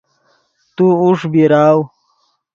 تو اوݰ بیراؤ